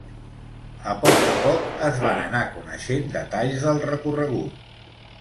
A poc a poc es van anar coneixent detalls del recorregut.